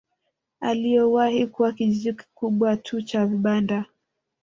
Uliowahi kuwa kijiji kikubwa tu cha vibanda